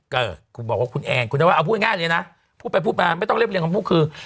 ก็คุณบอกว่าคุณแอนคุณจะว่าเอาพูดง่ายเลยนะพูดไปพูดมาไม่ต้องเรียบเรียงคำพูดคือ